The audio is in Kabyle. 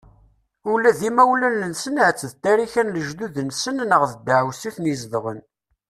Ula d imawlan-nsen ahat d ttarika n lejdud-nsen neɣ d ddeɛwessu iten-izedɣen.